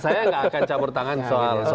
saya gak akan cabur tangan soal